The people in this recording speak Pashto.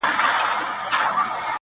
غوړولی یې په ملک کي امنیت وو٫